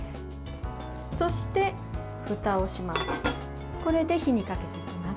そして、ふたをします。